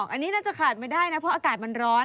อันนี้น่าจะขาดไม่ได้นะเพราะอากาศมันร้อน